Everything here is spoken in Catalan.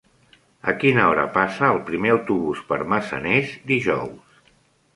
A quina hora passa el primer autobús per Massanes dijous?